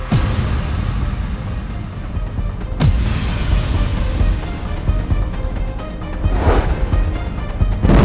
generatesan baru baru ini